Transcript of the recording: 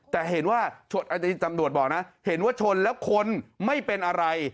แต่เห็นว่าอันนี้ตำรวจบอกนะเห็นว่าชนแล้วคนไม่เป็นอะไร